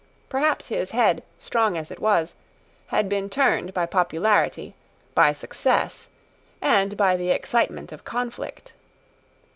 Perhaps his head, strong as it was, had been turned by popularity, by success, and by the excitement of conflict.